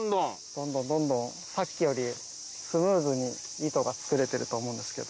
どんどんどんどんさっきよりスムーズに糸が作れてると思うんですけど。